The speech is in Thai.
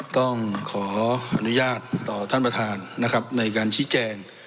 ต้องขออนุญาตต่อท่านประธานนะครับในการชี้แจง